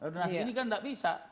ini kan tidak bisa